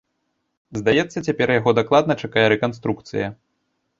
Здаецца, цяпер яго дакладна чакае рэканструкцыя.